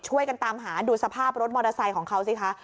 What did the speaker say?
ช่วยกันตามหาดูสภาพรถมอเตอร์ไซค์ของเขาสิคะ